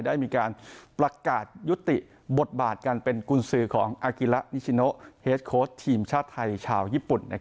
ได้มีการประกาศยุติบทบาทกันเป็นกุญสือของธีมชาตย์ไทยชาวญี่ปุ่น